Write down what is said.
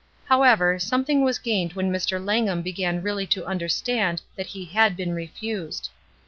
However, something was gained when Mr. Langham began really to understand that he had been refused.